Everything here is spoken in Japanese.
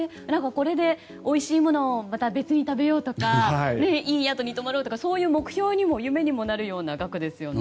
これでおいしいものをまた別に食べようとかいい宿に泊まろうとか目標とか夢にもなるような額ですよね。